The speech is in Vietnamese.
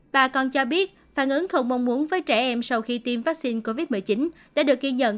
bà con cho biết phản ứng không mong muốn với trẻ em sau khi tiêm vaccine covid một mươi chín đã được ghi nhận